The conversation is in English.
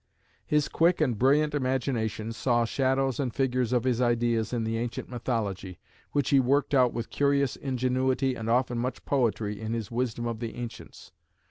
His quick and brilliant imagination saw shadows and figures of his ideas in the ancient mythology, which he worked out with curious ingenuity and often much poetry in his Wisdom of the Ancients.